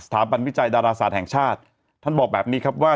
ถันวิจัยดาราศาสตร์แห่งชาติท่านบอกแบบนี้ครับว่า